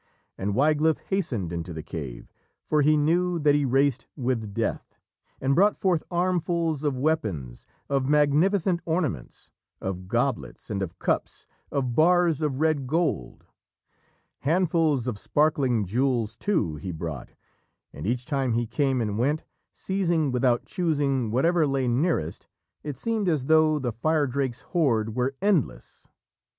And Wiglaf hastened into the cave, for he knew that he raced with Death, and brought forth armfuls of weapons, of magnificent ornaments, of goblets and of cups, of bars of red gold. Handfuls of sparkling jewels, too, he brought, and each time he came and went, seizing without choosing, whatever lay nearest, it seemed as though the Firedrake's hoard were endless.